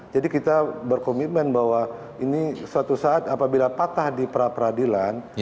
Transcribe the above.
jadi kita berkomitmen bahwa ini suatu saat apabila patah di pra peradilan